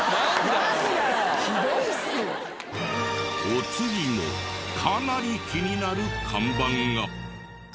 お次もかなり気になる看板が。